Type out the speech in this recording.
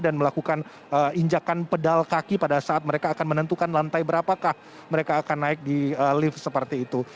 dan melakukan injakan pedal kaki pada saat mereka akan menentukan lantai berapakah mereka akan naik di lift seperti itu